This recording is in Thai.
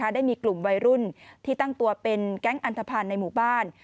ได้มีกลุ่มวัยรุ่นที่ตั้งตัวเป็นแก๊งอันทภัณฑ์ในหมู่บ้าน